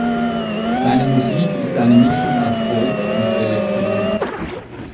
Seine Musik ist eine Mischung aus Folk und Elektronik.